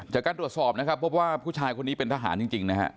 จากการตรวจสอบนะครับพบว่าผู้ชายคนนี้เป็นทหารจริงนะฮะ